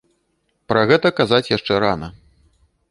Пра гэта казаць яшчэ рана.